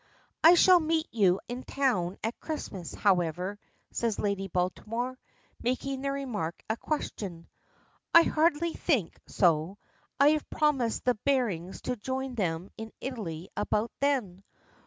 "I shall meet you in town at Christmas, however," says Lady Baltimore, making the remark a question. "I hardly think so. I have promised the Barings to join them in Italy about then."